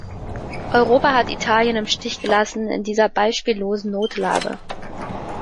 Europa hat Italien im Stich gelassen in dieser beispiellosen Notlage.